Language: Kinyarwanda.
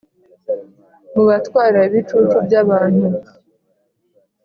mubatwara ibicucu byabantu